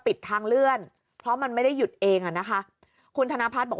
ปิดทางเลื่อนเพราะมันไม่ได้หยุดเองอ่ะนะคะคุณธนพัฒน์บอก